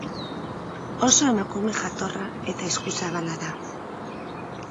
Oso emakume jatorra eta eskuzabala da.